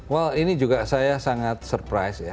well ini juga saya sangat surprise ya